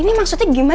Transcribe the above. ini maksudnya gimana